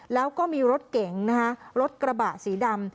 แล้วก็มีรถเก๋งนะคะรถกระบะสีดำ